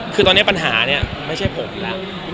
คือตอนนี้ปัญหาเนี่ยไม่ใช่ผมอีกแล้ว